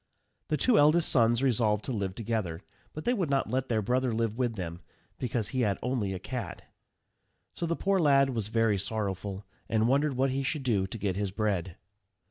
The two eldest sons resolved to live together; but they would not let their brother live with them, because he had only a cat. So the poor lad was very sorrowful, and wondered what he should do to get his bread.